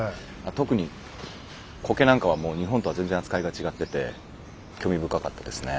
特に苔なんかはもう日本とは全然扱いが違ってて興味深かったですね。